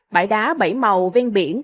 bãi đá bảy màu ven biển